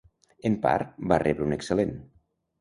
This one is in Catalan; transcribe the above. En Parr va rebre un excel·lent.